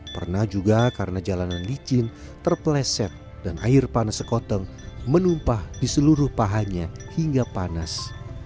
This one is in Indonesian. pernah juga karena jalanan licin terpeleset dan air panas sekoteng menumpah di seluruh pahanya hingga panas